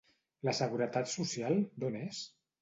La seguretat social, d’on és?